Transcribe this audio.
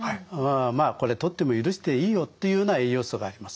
「まあこれとっても許していいよ」っていうような栄養素があります。